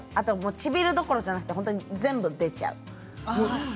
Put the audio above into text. ちびるどころじゃなくて全部出ちゃう。